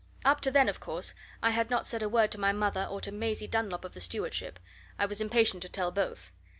Up to then, of course, I had not said a word to my mother or to Maisie Dunlop of the stewardship I was impatient to tell both.